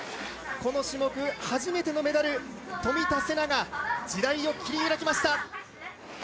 この種目初めてのメダル、冨田せなが、時代を切り開きました。